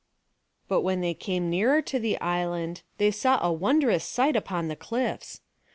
But when they came nearer to the island they saw a wondrous sight upon the cliffs.